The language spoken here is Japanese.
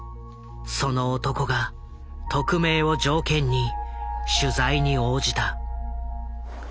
その男が匿名を条件に取材に応じた。